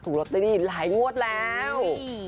ถูกรถเตรียมหลายงวดแล้ว